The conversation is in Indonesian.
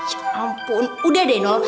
ya ampun udah deh nol